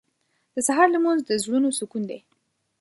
• د سهار لمونځ د زړونو سکون دی.